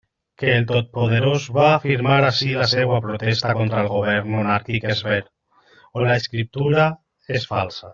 Que el Totpoderós va afirmar ací la seua protesta contra el govern monàrquic és ver, o l'escriptura és falsa.